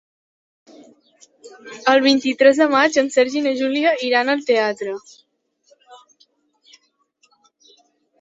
El vint-i-tres de maig en Sergi i na Júlia iran al teatre.